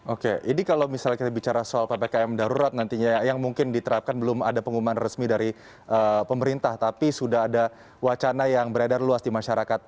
oke ini kalau misalnya kita bicara soal ppkm darurat nantinya yang mungkin diterapkan belum ada pengumuman resmi dari pemerintah tapi sudah ada wacana yang beredar luas di masyarakat